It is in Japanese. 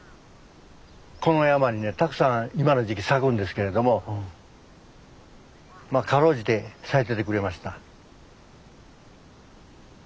この山にねたくさん今の時期咲くんですけれどもまあ辛うじて咲いててくれました。